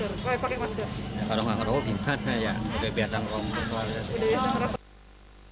kalau tidak merokok tidak